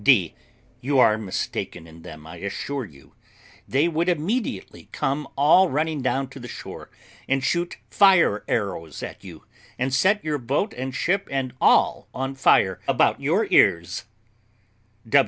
D. You are mistaken in them, I assure you; they would immediately come all running down to the shore, and shoot fire arrows at you, and set your boat and ship and all on fire about your ears.